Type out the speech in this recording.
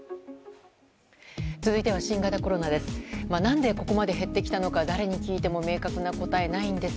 続いては新型コロナです。